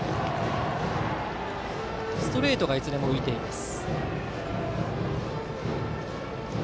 ストレートがいずれも浮いています。